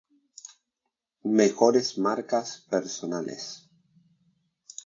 Mejores Marcas personales